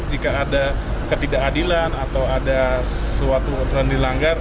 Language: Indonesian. jika ada ketidakadilan atau ada suatu aturan dilanggar